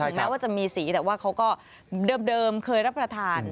แม้ว่าจะมีสีแต่ว่าเขาก็เดิมเคยรับประทาน